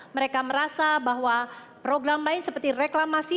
mereka merasa bahwa program lain seperti reklamasi